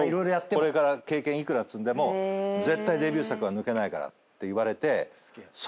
「これから経験いくら積んでも絶対デビュー作は抜けないから」って言われて。